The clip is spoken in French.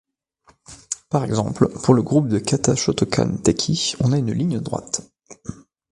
Par exemple, pour le groupe de kata Shotokan Tekki, on a une ligne droite.